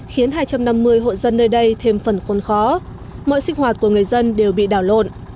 khiến hai trăm năm mươi hộ dân nơi đây thêm phần khôn khó mọi sinh hoạt của người dân đều bị đảo lộn